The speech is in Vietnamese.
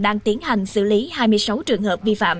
đang tiến hành xử lý hai mươi sáu trường hợp vi phạm